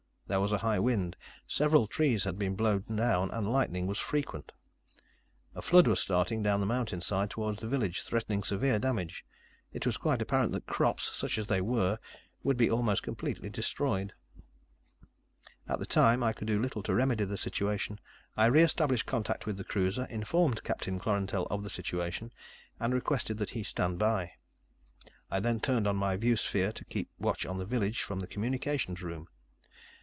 There was a high wind. Several trees had been blown down and lightning was frequent. A flood was starting down the mountainside toward the village, threatening severe damage. It was quite apparent that crops, such as they were, would be almost completely destroyed. At the time, I could do little to remedy the situation. I re established contact with the cruiser, informed Captain Klorantel of the situation, and requested that he stand by. I then turned on my viewsphere to keep watch on the village from the communications room.